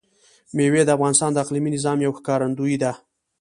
مېوې د افغانستان د اقلیمي نظام یوه ښه ښکارندوی ده.